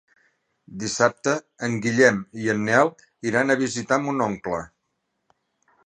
Dissabte en Guillem i en Nel iran a visitar mon oncle.